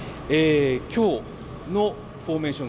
今日のフォーメーション